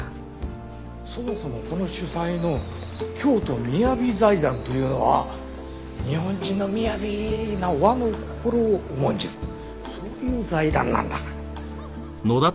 そもそもこの主催の京都みやび財団というのは日本人の雅な和の心を重んじるそういう財団なんだから。